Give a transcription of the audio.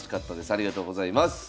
ありがとうございます。